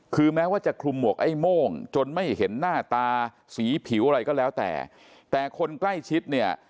คือแม้ว่าจะคลุมหมวกไอ้โม่งจนไม่เห็นหน้าตาสีผิวอะไรก็แล้วแต่แต่คนใกล้ชิดเนี่ย